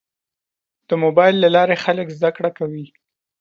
د موبایل له لارې خلک زده کړه کوي.